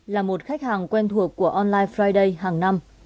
là một khách hàng quen thuộc của online friday hàng năm